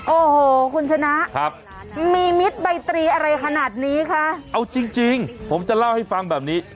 โอ้โหคุณชนะครับมีมิตรใบตรีอะไรขนาดนี้คะเอาจริงจริงผมจะเล่าให้ฟังแบบนี้